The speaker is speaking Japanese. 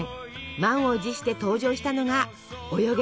満を持して登場したのが「およげ！